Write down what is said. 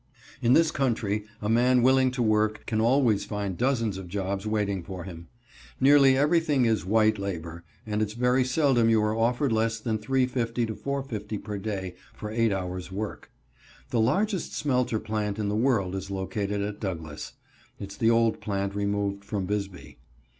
In this country a man willing to work can always find dozens of jobs waiting for him. Nearly everything is white labor, and its very seldom you are offered less than $3.50 to $4.50 per day for eight hours work. The largest smelter plant in the world is located at Douglas. (Its the old plant removed from Bisbee.)